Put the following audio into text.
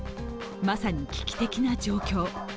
まさに危機的な状況。